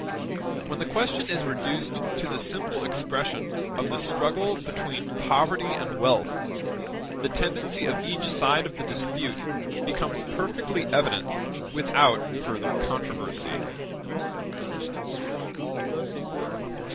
When the question is reduced to the simple expression of the struggle between poverty and wealth, the tendency of each side of the dispute becomes perfectly evident without further controversy.